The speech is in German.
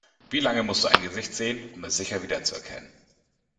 Wie lange musst du ein Gesicht sehen, um es sicher wiederzuerkennen?